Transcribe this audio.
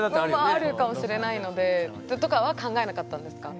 あるかもしれないので。とかは考えなかったんですか？